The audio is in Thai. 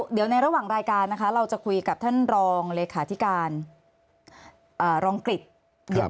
เดี๋ยวในระหว่างรายการนะคะเราจะคุยกับท่านรองเลขาธิการรองกฤษ